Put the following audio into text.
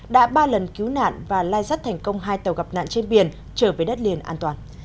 đã ba lần cứu nạn và lai rắt thành công hai tàu gặp nạn trên biển trở về đất liền an toàn